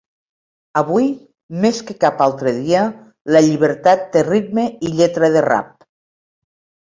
Avui més que cap altre dia, la llibertat té ritme i lletra de rap.